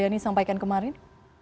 yang disampaikan kemarin